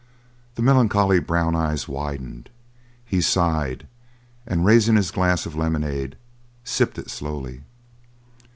The melancholy brown eyes widened; he sighed, and raising his glass of lemonade sipped it slowly.